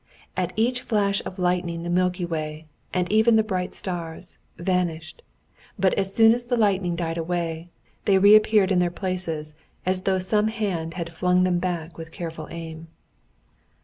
At each flash of lightning the Milky Way, and even the bright stars, vanished, but as soon as the lightning died away, they reappeared in their places as though some hand had flung them back with careful aim.